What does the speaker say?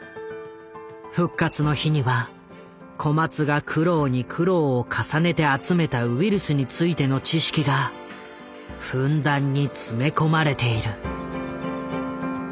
「復活の日」には小松が苦労に苦労を重ねて集めたウイルスについての知識がふんだんに詰め込まれている。